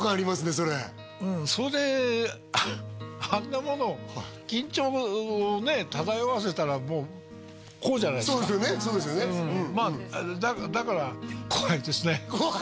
それそれあんなもの緊張をね漂わせたらもうこうじゃないですかそうですよねそうですよねまあだから怖い？